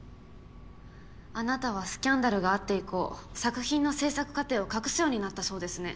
あなたはスキャンダルがあって以降作品の制作過程を隠すようになったそうですね。